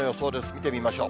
見てみましょう。